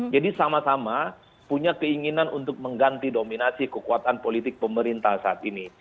jadi sama sama punya keinginan untuk mengganti dominasi kekuatan politik pemerintah saat ini